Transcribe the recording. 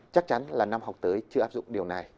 chắc chắn là năm học tới chưa áp dụng điều này